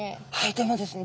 でもですね